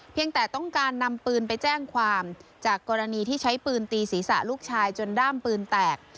แต่ต้องการนำปืนไปแจ้งความจากกรณีที่ใช้ปืนตีศีรษะลูกชายจนด้ามปืนแตก